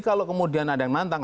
kalau kemudian ada yang menantang